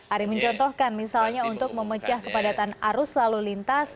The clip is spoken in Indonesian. ari mencontohkan misalnya untuk memecah kepadatan arus lalu lintas